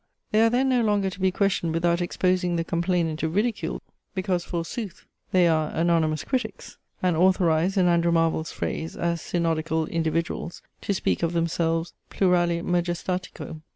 They are then no longer to be questioned without exposing the complainant to ridicule, because, forsooth, they are anonymous critics, and authorized, in Andrew Marvell's phrase, as "synodical individuals" to speak of themselves plurali majestatico!